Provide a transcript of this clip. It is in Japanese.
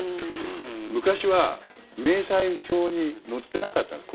昔は明細表に載ってなかったんです。